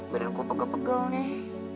biar aku pegang pegang nih